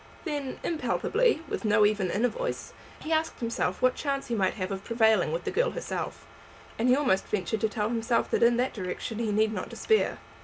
Then, impalpably, with no even inner voice, he asked himself what chance he might have of prevailing with the girl herself; and he almost ventured to tell himself that in that direction he need not despair.